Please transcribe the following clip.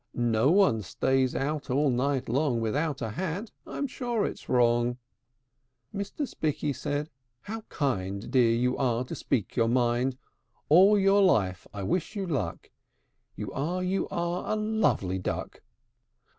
No one stays out all night long Without a hat: I'm sure it's wrong!" Mr. Spikky said, "How kind, Dear, you are, to speak your mind! All your life I wish you luck! You are, you are, a lovely duck!